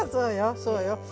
そうよ。